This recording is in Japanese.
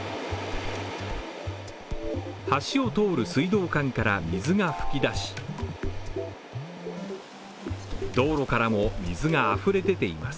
橋を通る水道管から水が噴き出し、道路からも水があふれています。